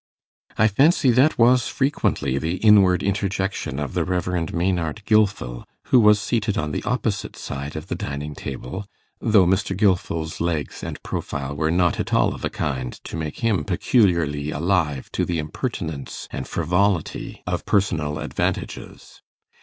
I fancy that was frequently the inward interjection of the Rev. Maynard Gilfil, who was seated on the opposite side of the dining table, though Mr. Gilfil's legs and profile were not at all of a kind to make him peculiarly alive to the impertinence and frivolity of personal advantages.